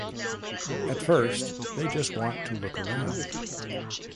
At first, they just want to look around.